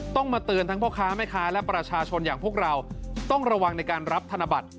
ต้องมาเตือนทั้งพ่อค้าแม่ค้าและประชาชนอย่างพวกเราต้องระวังในการรับธนบัตร